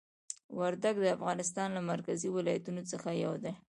وردګ د افغانستان له مرکزي ولایتونو څخه یو دی.